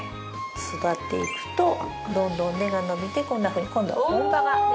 育っていくとどんどん根が伸びてこんなふうに今度は本葉が出てきます。